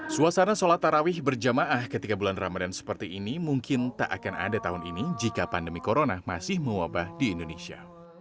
suasana sholat tarawih berjamaah ketika bulan ramadan seperti ini mungkin tak akan ada tahun ini jika pandemi corona masih mewabah di indonesia